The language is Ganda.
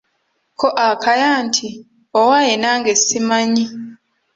Ko Akaya nti:"owaye nange simanyi'